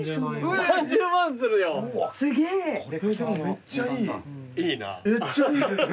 めっちゃいいです！